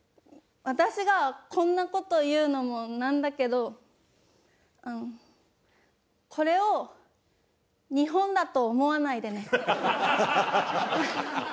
私がこんな事言うのもなんだけどあのこれを日本だと思わないでね。